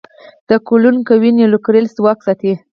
د ګلوون قوي نیوکلیري ځواک ساتي.